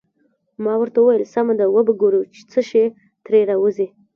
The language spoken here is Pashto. ما ورته وویل: سمه ده، وبه ګورو چې څه شي ترې راوزي.